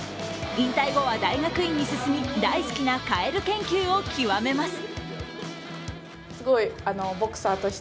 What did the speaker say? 引退後は大学院に進み大好きなかえる研究を極めます。